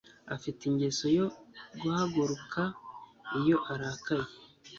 Afite ingeso yo guhaguruka iyo arakaye